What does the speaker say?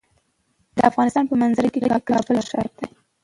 د افغانستان په منظره کې کابل ښکاره ده.